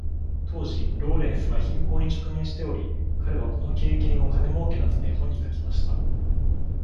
当時、ローレンスは貧困に直面しており、彼はこの経験を金儲けのため本に書きました。